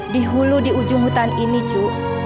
di hulu di ujung hutan ini cu